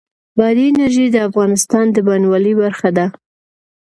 بادي انرژي د افغانستان د بڼوالۍ برخه ده.